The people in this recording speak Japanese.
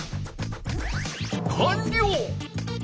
かんりょう！